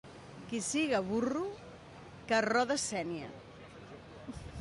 Qui siga burro que rode sénia.